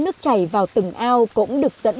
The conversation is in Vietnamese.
nước chảy vào từng ao cũng được dẫn